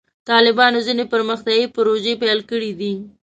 طالبانو ځینې پرمختیایي پروژې پیل کړې دي.